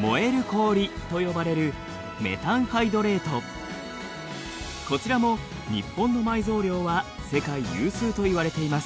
燃える氷と呼ばれるこちらも日本の埋蔵量は世界有数といわれています。